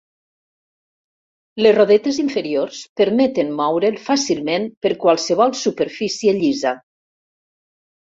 Les rodetes inferiors permeten moure'l fàcilment per qualsevol superfície llisa.